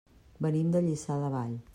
Venim de Lliçà de Vall.